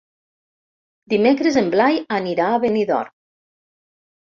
Dimecres en Blai anirà a Benidorm.